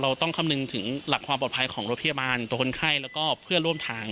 ต้องคำนึงถึงหลักความปลอดภัยของรถพยาบาลตัวคนไข้แล้วก็เพื่อนร่วมทาง